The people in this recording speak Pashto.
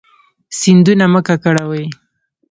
سیندونه مه ککړوئ